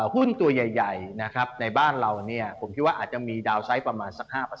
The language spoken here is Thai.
หุ้นตัวใหญ่ในบ้านเราผมคิดว่าอาจจะมีดาวนไซต์ประมาณสัก๕